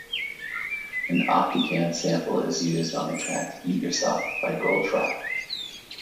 An Optigan sample is used on the track "Eat Yourself", by Goldfrapp.